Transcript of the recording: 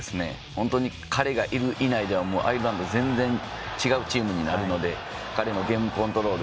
本当に彼がいる、いないではアイルランド全然違うチームになるので彼のゲームコントロール